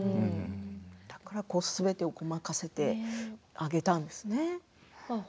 だからすべてを任せてあげたんですね。